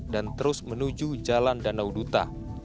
dan terus menuju jalan danau duta